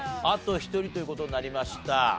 あと１人という事になりました。